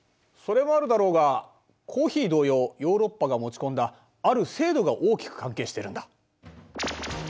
それもあるだろうがコーヒー同様ヨーロッパが持ち込んだある制度が大きく関係してるんだ。